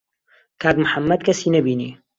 کاک محەممەد کەسی نەبینی.